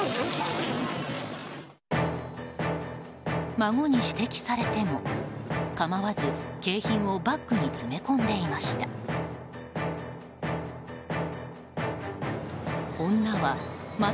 孫に指摘されても構わず、景品をバッグに詰め込んでいました。